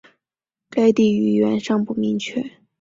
该地语源尚不明确。